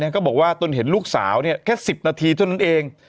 ก็บอกว่าตนเห็นลูกสาวแค่๑๐นาทีเท่านั้นเอง